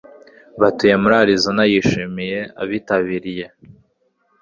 batuye muri arizonayashimiye abitabiriye